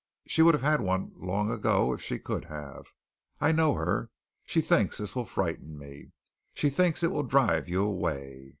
She would have had one long ago if she could have. I know her. She thinks this will frighten me. She thinks it will drive you away.